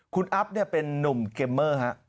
คุณอัพเป็นนุ่มเกมเมอร์ฮะ